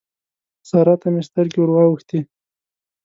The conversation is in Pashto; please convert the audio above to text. سارا ته مې سترګې ور واوښتې.